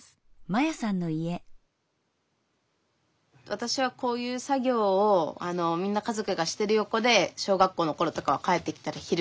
わたしはこういう作業をみんな家族がしてる横で小学校のころとかは帰ってきたらひるねしたりとか。